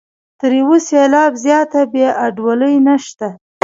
تر یو سېلاب زیاته بې انډولي نشته.